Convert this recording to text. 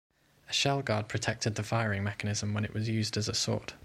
A shell guard protected the firing mechanism when it was used as a sword.